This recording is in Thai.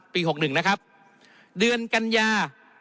๖๑นะครับเดือนกัญญา